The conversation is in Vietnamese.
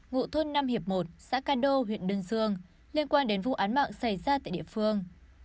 vụ tại xã cá đô huyện đơn dương